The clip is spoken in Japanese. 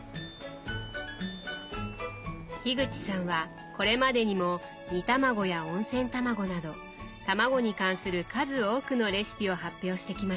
口さんはこれまでにも煮たまごや温泉たまごなどたまごに関する数多くのレシピを発表してきました。